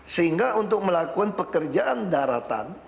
sehingga untuk melakukan pekerjaan daratan